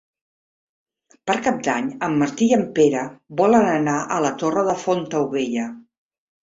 Per Cap d'Any en Martí i en Pere volen anar a la Torre de Fontaubella.